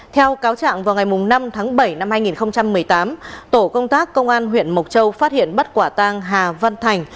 theo cáo trạng vào ngày năm tháng bảy năm hai nghìn một mươi tám tổ công tác công an huyện mộc châu phát hiện bắt quả tang hà văn thành